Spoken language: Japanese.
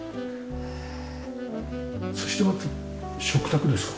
そして食卓ですか？